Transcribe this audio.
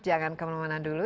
jangan kemana mana dulu